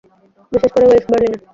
বিশেষ করে ওয়েস্ট বার্লিনে।